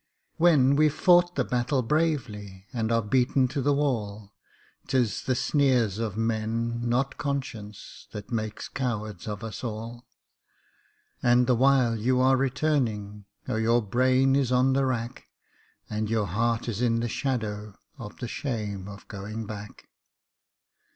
When we've fought the battle bravely and are beaten to the wall, 'Tis the sneers of men, not conscience, that make cowards of us all; And the while you are returning, oh! your brain is on the rack, And your heart is in the shadow of the shame of going back.